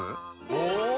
お！